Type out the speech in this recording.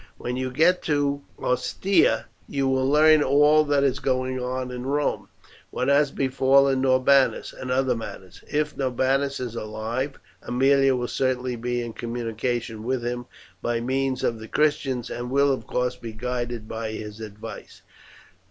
When you get to Ostia you will learn all that is going on in Rome, what has befallen Norbanus, and other matters. If Norbanus is alive, Aemilia will certainly be in communication with him by means of the Christians, and will, of course, be guided by his advice."